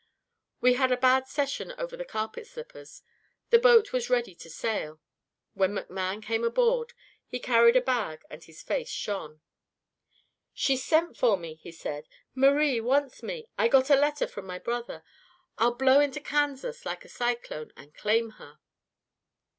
We had a bad session over the carpet slippers. The boat was ready to sail, when McMann came aboard. He carried a bag, and his face shone. "'She's sent for me,' he said. 'Marie wants me. I got a letter from my brother. I'll blow into Kansas like a cyclone, and claim her.'